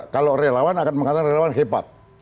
kalau relawan akan mengatakan relawan hebat